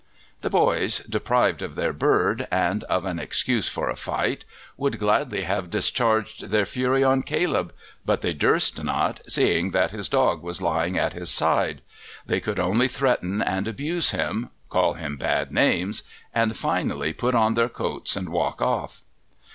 The boys, deprived of their bird and of an excuse for a fight, would gladly have discharged their fury on Caleb, but they durst not, seeing that his dog was lying at his side; they could only threaten and abuse him, call him bad names, and finally put on their coats and walk off.